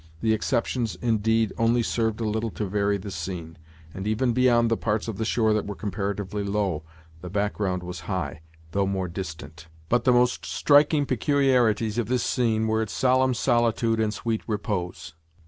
The exceptions, indeed, only served a little to vary the scene; and even beyond the parts of the shore that were comparatively low, the background was high, though more distant. But the most striking peculiarities of this scene were its solemn solitude and sweet repose.